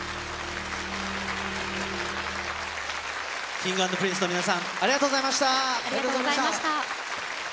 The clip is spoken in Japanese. Ｋｉｎｇ＆Ｐｒｉｎｃｅの皆さん、ありがとうございました。